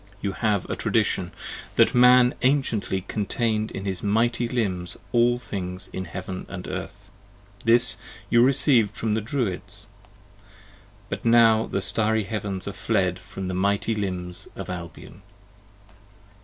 You have a tradition, that Man anciently contain'd in his mighty limbs all things in Heaven & Earth: this you recieved from the Druids. 15 " But now the Starry Heavens are fled from the mighty limbs of Albion."